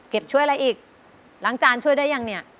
ช่วยอะไรอีกล้างจานช่วยได้ยังเนี่ย